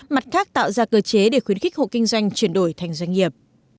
mặt khác tạo ra cơ chế để khuyến khích hộ kinh doanh chuyển đổi thành doanh nghiệp